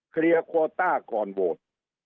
เคลียร์โคต้าก่อนโหวต